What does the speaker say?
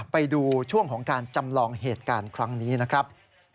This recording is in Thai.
ไปดูช่วงของการจำลองเหตุการณ์ครั้งนี้นะครับ